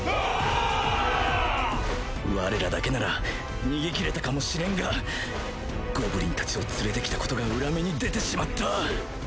われらだけなら逃げ切れたかもしれんがゴブリンたちを連れて来たことが裏目に出てしまった